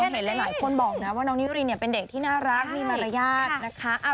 เห็นหลายคนบอกนะว่าน้องนิรินเป็นเด็กที่น่ารักมีมารยาทนะคะ